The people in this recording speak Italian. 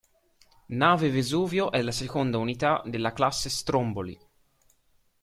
Nave Vesuvio è la seconda unità della classe Stromboli.